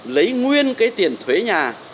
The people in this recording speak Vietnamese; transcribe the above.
lấy nguyên cái tiền thuế nhà